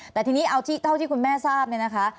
แต่ทีนี้เอาเท่าที่คุณแม่ทราบเนี่ยนะคะ